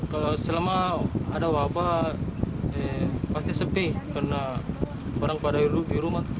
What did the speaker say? kalau selama ada wabah pasti sepi karena barang pada hidup di rumah